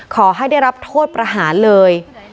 ขอให้ได้รับโทษประหารเลย